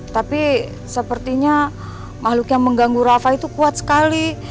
tapi sepertinya makhluk yang mengganggu rafa itu kuat sekali